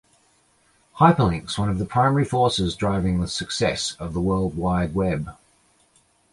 Hyperlinks, one of the primary forces driving the success of the World Wide Web.